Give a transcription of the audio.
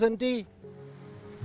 batang kayu besar